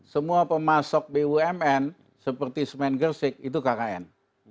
semua pemasok bumn seperti semen gersik itu kkn